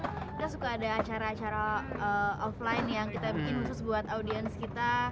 kita suka ada acara acara offline yang kita bikin khusus buat audiens kita